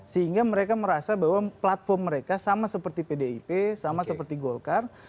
sehingga mereka merasa bahwa platform mereka sama seperti pdip sama seperti golkar